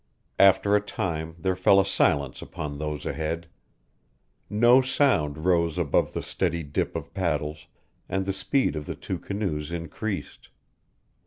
After a time there fell a silence upon those ahead. No sound rose above the steady dip of paddles, and the speed of the two canoes increased.